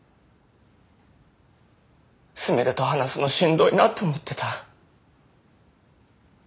純恋と話すのしんどいなって思ってた。